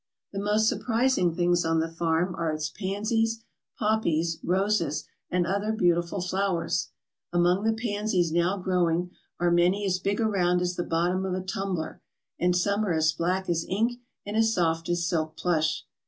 The most surprising things on the farm are its pansies, poppies, roses, and other beautiful flowers. Among the pansies now growing are many as big around as the bottom of a tumbler, and some are as black as ink and as soft as silk plush.